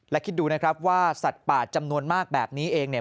และคิดดูนะครับว่าสัตว์ป่าจำนวนมากแบบนี้เองเนี่ย